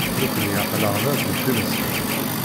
Nekkni aql-aɣ da deffir-sen.